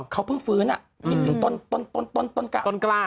เขาเพิ่งฟื้นคิดถึงต้นกล้า